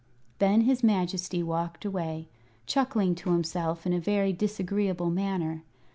Then his Majesty walked away, chuckling to himself in a very disagreeable manner.